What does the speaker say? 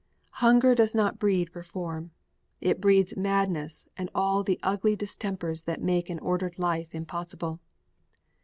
Hunger does not breed reform; it breeds madness and all the ugly distempers that make an ordered life impossible.